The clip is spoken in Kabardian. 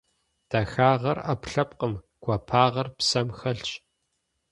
Дахагъэр - ӏэпкълъэпкъым, гуапагъэр псэм хэлъщ.